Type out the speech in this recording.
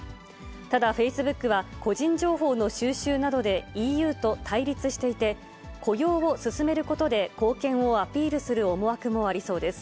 ただフェイスブックは、個人情報の収集などでＥＵと対立していて、雇用を進めることで貢献をアピールする思惑もありそうです。